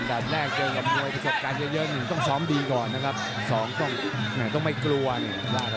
ดัดแรกเจอแบบมวยประสบการณ์เยอะเยอะ๑ต้องซ้อมดีกว่านะครับ๒ต้องไม่กลัวนะครับ